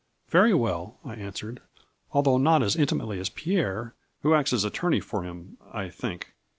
" Very well," I answered, " although not as intimately as Pierre, who acts as attorney for him, I think.